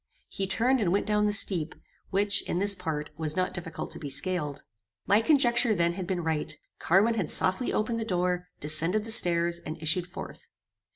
He turned and went down the steep, which, in this part, was not difficult to be scaled. My conjecture then had been right. Carwin has softly opened the door, descended the stairs, and issued forth.